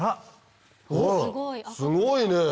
すごいね！